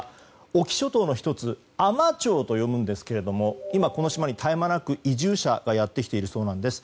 隠岐諸島の１つ海士町と読むんですけど今、この島に絶え間なく移住者がやってきているそうです。